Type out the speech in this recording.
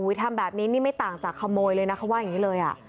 ทำแบบนี้นี่ไม่ต่างจากขโมยเลยนะเขาว่าอย่างนี้เลยอ่ะ